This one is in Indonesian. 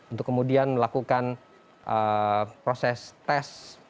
untuk kemudian melakukan proses tes